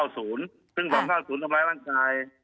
ซึ่ง๒๕๐ทำร้ายร่างกาย